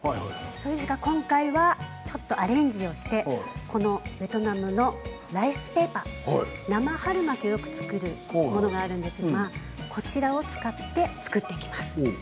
それが今回はちょっとアレンジしてベトナムのライスペーパー生春巻きをよく作るものがありますがこちらを使って作っていきます。